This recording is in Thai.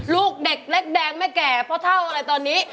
ลูกเด็กเล็กแดงแม่แก่พ่อเท่าอะไรตอนนี้